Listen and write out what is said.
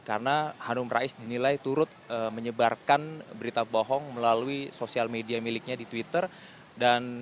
karena hanum rais dinilai turut menyebarkan berita bohong melalui sosial media miliknya di twitter dan